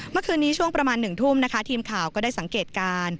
เมื่อคืนนี้ช่วงประมาณ๑ทุ่มนะคะทีมข่าวก็ได้สังเกตการณ์